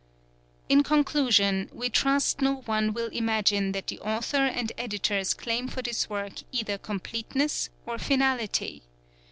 In conclusion, we trust no one will imagine that the author and editors claim for this work either completeness or finality.